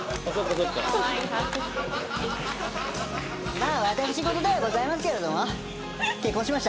まあ私事ではございますけれども結婚しました。